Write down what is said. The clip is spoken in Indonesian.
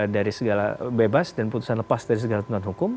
dari segala bebas dan putusan lepas dari segala tuntutan hukum